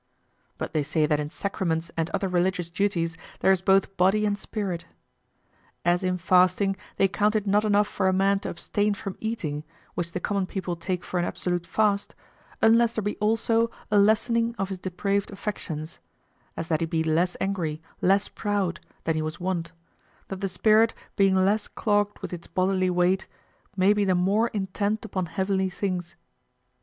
But they say that in Sacraments and other religious duties there is both body and spirit. As in fasting they count it not enough for a man to abstain from eating, which the common people take for an absolute fast, unless there be also a lessening of his depraved affections: as that he be less angry, less proud, than he was wont, that the spirit, being less clogged with its bodily weight, may be the more intent upon heavenly things.